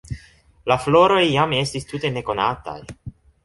La floroj jam estis tute nekonataj.